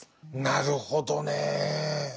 なるほどねぇ。